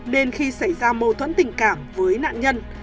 nên khi xảy ra mâu thuẫn tình cảm với nạn nhân